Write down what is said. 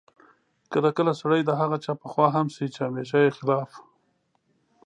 کله کله سړی د هغه چا په خوا هم شي چې همېشه یې خلاف